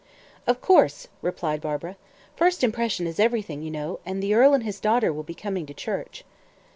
"Of course," replied Barbara. "First impression is everything, you know, and the earl and his daughter will be coming to church."